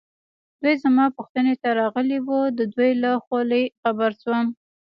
دوی زما پوښتنې ته راغلي وو، د دوی له خولې خبر شوم.